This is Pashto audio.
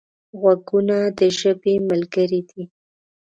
غوږونه د ژبې ملګري دي